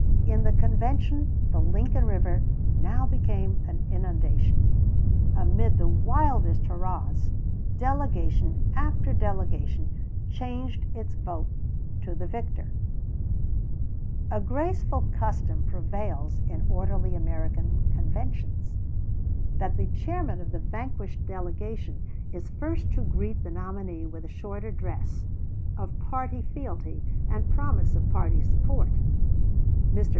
In the convention the Lincoln river now became an inundation. Amid the wildest hurrahs, delegation after delegation changed its vote to the victor. [Illustration: FAC SIMILE OF LINCOLN'S LETTER OF ACCEPTANCE.] A graceful custom prevails in orderly American conventions, that the chairman of the vanquished delegation is first to greet the nominee with a short address of party fealty and promise of party support. Mr.